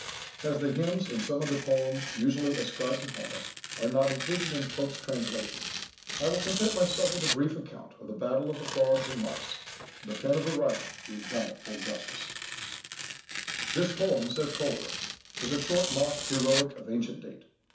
As the hymns, and some other poems usually ascribed to Homer, are not included in Pope's translation, I will content myself with a brief account of the Battle of the Frogs and Mice, from the pen of a writer who has done it full justice:— "This poem," says Coleridge, "is a short mock heroic of ancient date.